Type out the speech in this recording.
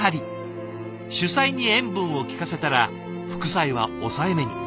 主菜に塩分をきかせたら副菜は抑えめに。